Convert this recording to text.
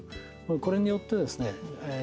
これによってですね